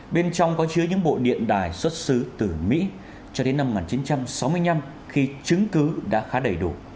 bên trong có chứa những bộ điện đài xuất xứ từ mỹ cho đến năm một nghìn chín trăm sáu mươi năm khi chứng cứ đã khá đầy đủ